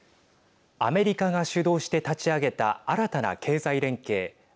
アメリカが主導して立ち上げた新たな経済連携